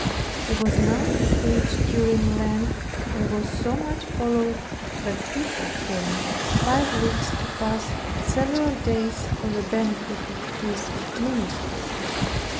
He was now to preach during Lent, and was so much followed, that people came five leagues, to pass several days for the benefit of his ministry.